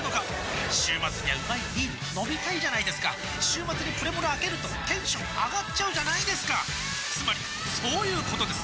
週末にはうまいビール飲みたいじゃないですか週末にプレモルあけるとテンション上がっちゃうじゃないですかつまりそういうことです！